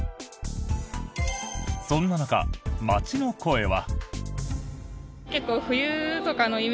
そんな中、街の声は。